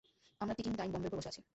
আমরা ticking time বোম্বের উপর বসে আছি।